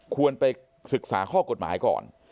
ควรไปศึกษาข้อกฎหมายก่อน